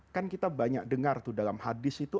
kan kita banyak dengar tuh dalam hadis itu